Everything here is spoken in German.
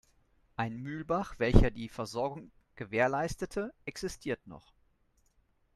Ein Mühlbach, welcher die Versorgung gewährleistete, existiert noch.